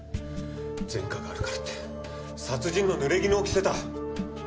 前科があるからって殺人の濡れ衣を着せた。